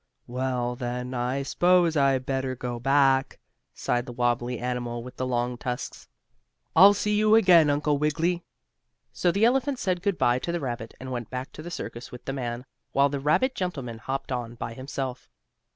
"Well, then, I s'pose I'd better go back," sighed the wobbly animal with the long tusks. "I'll see you again, Uncle Wiggily." So the elephant said good bye to the rabbit, and went back to the circus with the man, while the rabbit gentleman hopped on by himself.